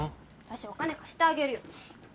私お金貸してあげるよ。